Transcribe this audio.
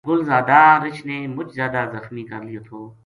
گل زادا رِچھ نے مُچ زیادہ زخمی کر لیو تھو